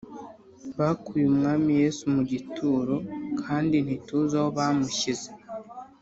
bakuye umwami yesu mu gituro, kandi ntituzi aho bamushyize